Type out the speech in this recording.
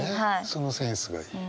そのセンスがいい。